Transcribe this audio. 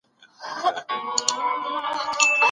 عدالت د ټولنې بنسټيز ضرورت دی.